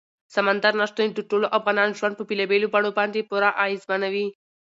سمندر نه شتون د ټولو افغانانو ژوند په بېلابېلو بڼو باندې پوره اغېزمنوي.